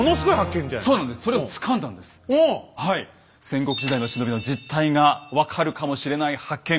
戦国時代の忍びの実態が分かるかもしれない発見。